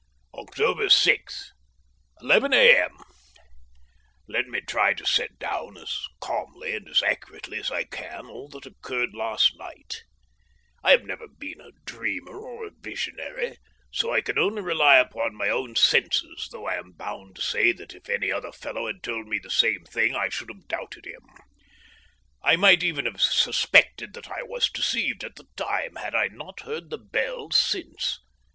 October 6, 11 A.M. Let me try to set down as calmly and as accurately as I can all that occurred last night. I have never been a dreamer or a visionary, so I can rely upon my own senses, though I am bound to say that if any other fellow had told me the same thing I should have doubted him. I might even have suspected that I was deceived at the time had I not heard the bell since.